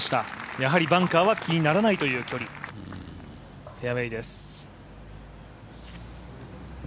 やはりバンカーは気にならないという距離、フェアウエーです。